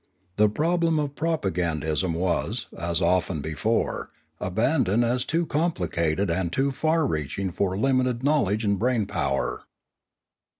The problem of propagandism was, as often before, abandoned as too complicated and too far reaching for limited knowledge and brain power.